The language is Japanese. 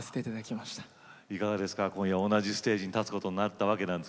同じステージに立つことになったわけです